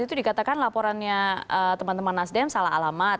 lalu kemudian pada saat itu dikatakan laporannya teman teman nasdem salah alamat